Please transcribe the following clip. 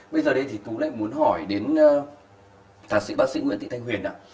bây giờ đây thì tú lại muốn hỏi đến thạc sĩ bác sĩ nguyễn thị thanh huyền ạ